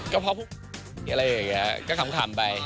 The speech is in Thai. ก็เพราะพวกอะไรอย่างนี้ก็ขำไป